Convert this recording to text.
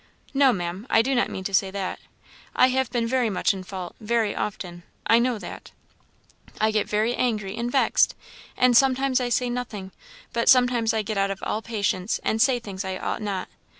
"No, Maam, I do not mean to say that. I have been very much in fault, very often I know that. I get very angry and vexed, and sometimes I say nothing, but sometimes I get out of all patience and say things I ought not.